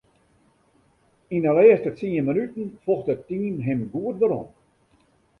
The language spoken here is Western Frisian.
Yn 'e lêste tsien minuten focht it team him goed werom.